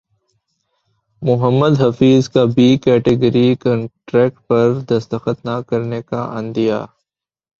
محمد حفیظ کا B category contract پر دستخط نہ کرنےکا عندیہ